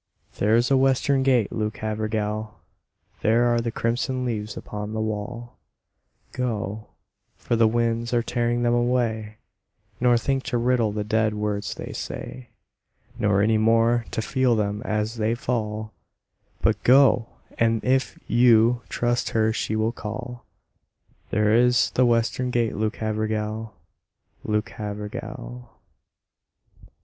There is the western gate, Luke Havergal, There are the crimson leaves upon the wall, Go, for the winds are tearing them away, Nor think to riddle the dead words they say, Nor any more to feel them as they fall; But go, and if you trust her she will call. There is the western gate, Luke Havergal Luke Havergal.